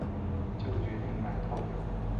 就决定买套票